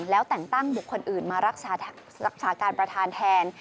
แล้วแต่งตั้งบุคคลอื่นมารักษาการประธานแทน